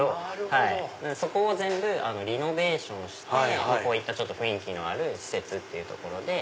そこを全部リノベーションしてこういった雰囲気のある施設っていうところで。